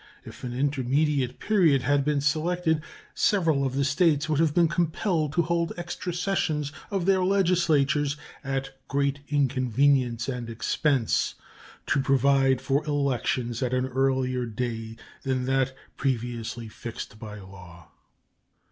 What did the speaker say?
If an intermediate period had been selected, several of the States would have been compelled to hold extra sessions of their legislatures, at great inconvenience and expense, to provide for elections at an earlier day than that previously fixed by law.